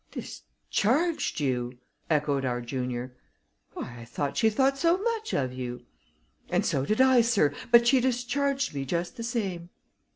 "Discharged you!" echoed our junior. "Why, I thought she thought so much of you?" "And so did I, sir, but she discharged me just the same."